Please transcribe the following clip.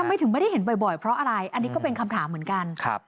ไม่ได้ถึงไม่ได้เห็นบ่อยเพราะอะไรอันนี้ก็เป็นคำถามเหมือนกัน